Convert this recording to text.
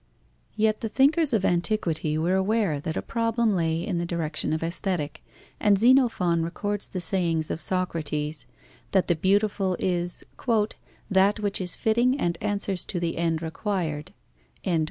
Yet the thinkers of antiquity were aware that a problem lay in the direction of Aesthetic, and Xenophon records the sayings of Socrates that the beautiful is "that which is fitting and answers to the end required."